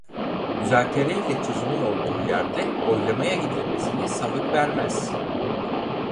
Müzakereyle çözümün olduğu yerde oylamaya gidilmesini salık vermez.